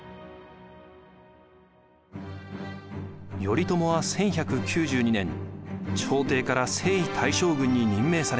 頼朝は１１９２年朝廷から征夷大将軍に任命されます。